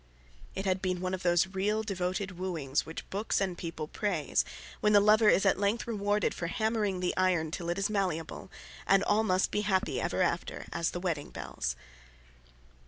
It had been one of those real devoted wooings which books and people praise, when the lover is at length rewarded for hammering the iron till it is malleable, and all must be happy ever after as the wedding bells.